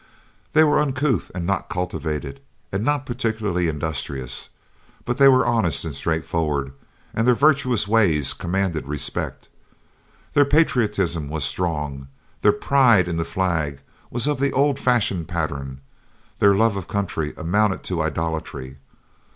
They were uncouth and not cultivated, and not particularly industrious; but they were honest and straightforward, and their virtuous ways commanded respect. Their patriotism was strong, their pride in the flag was of the old fashioned pattern, their love of country amounted to idolatry.